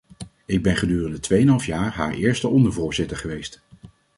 Ik ben gedurende tweeënhalf jaar haar eerste ondervoorzitter geweest.